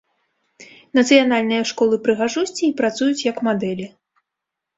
Нацыянальнай школы прыгажосці і працуюць як мадэлі.